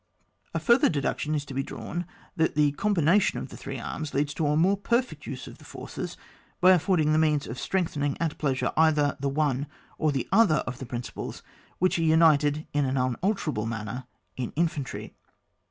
A further deduction to be drawn is, that the combination of the three arms leads to a more perfect, use of the forces, by affording the means of strengthening at pleasure either the one or the other of the principles which are united in an unalterable manner in Infantry.